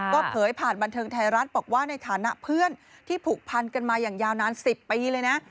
ก็เผยผ่านบันเทิงไทยรัฐบอกว่าในฐานะเพื่อนที่ผูกพันกันมาอย่างยาวนาน๑๐ปีเลยนะ